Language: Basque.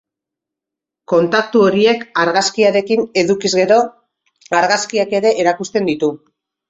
Kontaktu horiek argazkiarekin edukiz gero, argazkiak ere erakusten ditu.